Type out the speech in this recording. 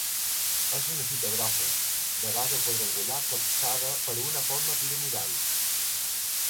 És una fita grossa, de base quadrangular capçada per una forma piramidal.